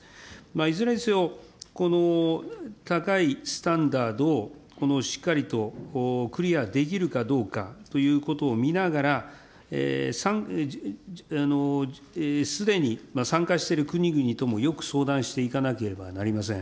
いずれにせよ、この高いスタンダードをしっかりとクリアできるかどうかということを見ながら、すでに参加している国々ともよく相談していかなければなりません。